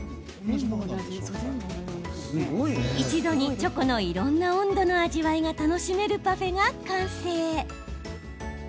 一度にチョコのいろんな温度の味わいが楽しめるパフェが完成。